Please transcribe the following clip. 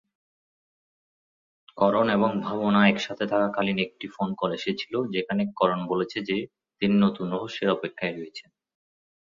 করণ এবং ভাবনা একসাথে থাকাকালীন একটি ফোন কল এসেছিল যেখানে করণ বলেছে যে তিনি নতুন রহস্যের অপেক্ষায় রয়েছেন।